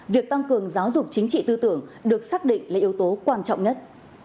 việc tăng cường giáo dục chính trị tư tưởng được xác định là yếu tố quan trọng nhất